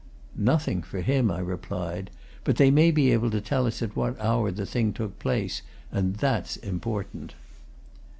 "Nothing for him," I replied. "But they may be able to tell us at what hour the thing took place. And that's important."